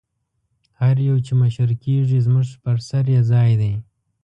هر یو چې مشر کېږي زموږ پر سر یې ځای دی.